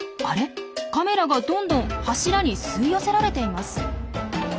カメラがどんどん柱に吸い寄せられています。